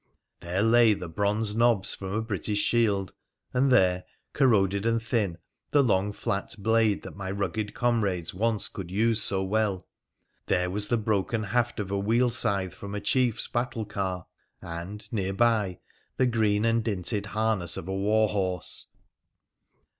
There lay the bronze nobs from a British shield, and there, corroded and thin, the long flat blade that my rugged comrades once could use so well. There was the broken haft of a wheel scythe from a chief's battle car, and, near by, the green and dinted harness of a war horse.